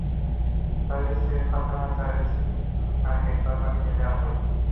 সালিসে ফাতেমাকে তার ইচ্ছার বিরুদ্ধে আবার স্বামীর ঘরে পাঠিয়ে দেওয়া হয়।